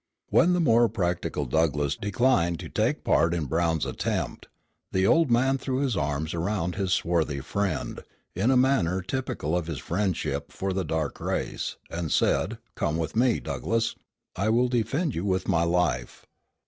When the more practical Douglass declined to take part in Brown's attempt, the old man threw his arms around his swarthy friend, in a manner typical of his friendship for the dark race, and said: "Come with me, Douglass, I will defend you with my life.